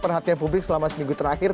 perhatian publik selama seminggu terakhir